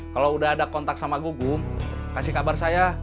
kalau udah ada kontak sama gugum kasih kabar saya